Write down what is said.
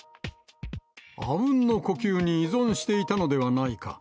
あうんの呼吸に依存していたのではないか。